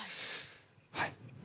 はい。